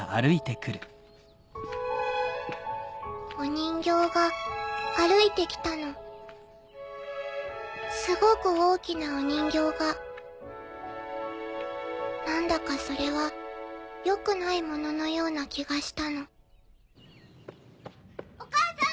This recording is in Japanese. お人形が歩いて来たのすごく大きなお人形が何だかそれは良くないもののような気がしたのお母さん！